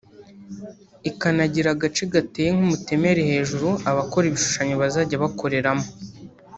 ikanagira agace gateye nk’umutemeri hejuru abakora ibishushanyo bazajya bakoreramo